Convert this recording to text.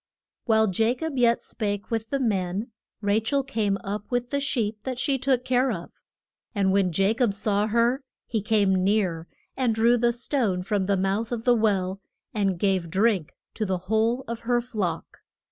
While Ja cob yet spake with the men, Ra chel came up with the sheep that she took care of. And when Ja cob saw her, he came near, and drew the stone from the mouth of the well, and gave drink to the whole of her flock.